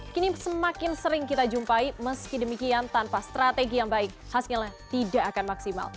kini semakin sering kita jumpai meski demikian tanpa strategi yang baik hasilnya tidak akan maksimal